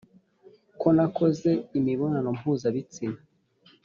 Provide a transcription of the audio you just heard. ko nakoze imibonano mpuzabitsina.